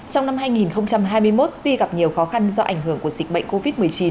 trong năm hai nghìn hai mươi một tuy gặp nhiều khó khăn do ảnh hưởng của dịch bệnh covid một mươi chín